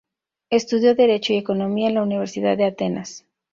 Estudió derecho y economía en la Universidad de Atenas.